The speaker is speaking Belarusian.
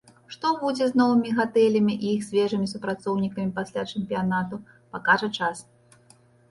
Што будзе з новымі гатэлямі і іх свежымі супрацоўнікамі пасля чэмпіянату, пакажа час.